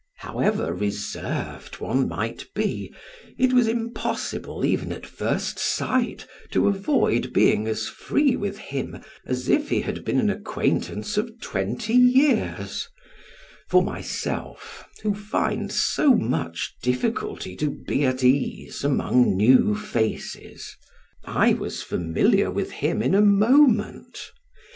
However reserved one might be, it was impossible even at first sight to avoid being as free with him as if he had been an acquaintance of twenty years; for myself, who find so much difficulty to be at ease among new faces, I was familiar with him in a moment.